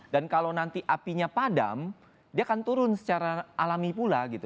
dan kalau nanti apinya padam dia akan turun secara alami pula gitu